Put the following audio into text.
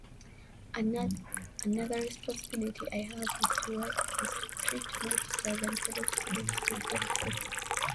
Another responsibility I have is to treat my teachers and fellow students with respect.